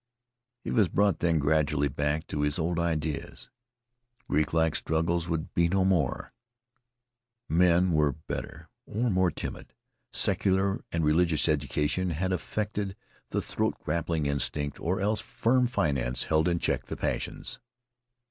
He was brought then gradually back to his old ideas. Greeklike struggles would be no more. Men were better, or more timid. Secular and religious education had effaced the throat grappling instinct, or else firm finance held in check the passions.